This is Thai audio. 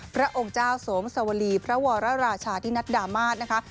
พระองค์เจ้าโสมสวรีพระวรราชาที่นัดดามาสนะครับ